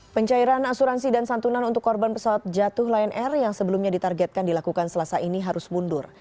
pencairan asuransi dan santunan untuk korban pesawat jatuh lion air yang sebelumnya ditargetkan dilakukan selasa ini harus mundur